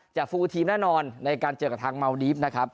ฟูลทีมแน่นอนในการเจอกับทางเมาดีฟนะครับ